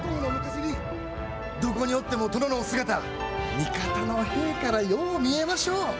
どこにおっても殿のお姿、味方の兵からよう見えましょう。